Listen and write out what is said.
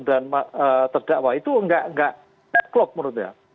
dan terdakwa itu tidak mengetahui menurutnya